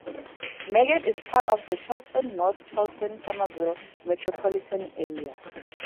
Meggett is part of the Charleston-North Charleston-Summerville metropolitan area.